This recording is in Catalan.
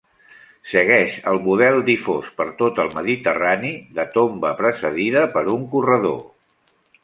Segueix el model difós per tot el Mediterrani de tomba precedida per un corredor.